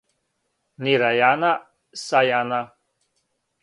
нирајана сајана